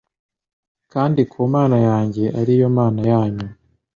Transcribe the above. kandi ku Mana yanjye ari yo Mana yanyu."